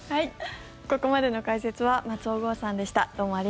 ここまでの解説は松尾豪さんでした。